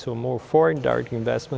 vì vậy trong lĩnh vực giảm tiền